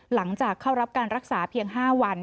หลังจากเข้ารับการรักษาเพียง๕วัน